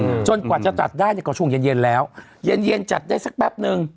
อืมจนกว่าจะจัดได้เนี้ยก็ช่วงเย็นเย็นแล้วเย็นเย็นจัดได้สักแป๊บนึง